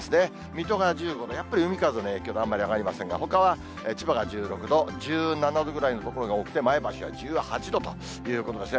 水戸が１５度、やっぱり海風の影響であんまり上がりませんが、ほかは千葉が１６度、１７度ぐらいの所が多くて、前橋は１８度ということですね。